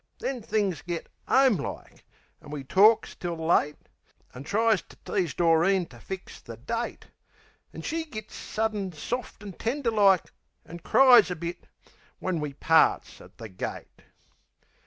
Then things get 'ome like; an' we torks till late, An' tries to tease Doreen to fix the date, An' she gits suddin soft and tender like, An' cries a bit, when we parts at the gate.